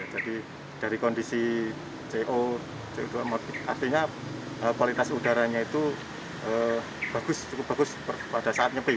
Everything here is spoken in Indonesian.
jadi dari kondisi co co dua artinya kualitas udaranya itu cukup bagus pada saat nyepi